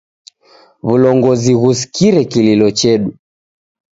W'ulongozi ghusikire kililo chedu.